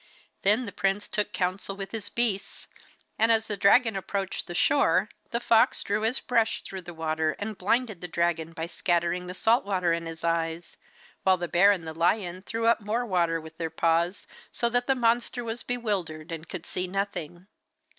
Then the prince took counsel with his beasts, and as the dragon approached the shore the fox drew his brush through the water and blinded the dragon by scattering the salt water in his eyes, while the bear and the lion threw up more water with their paws, so that the monster was bewildered and could see nothing.